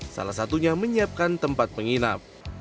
salah satunya menyiapkan tempat penginap